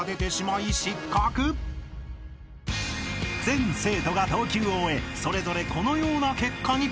［全生徒が投球を終えそれぞれこのような結果に］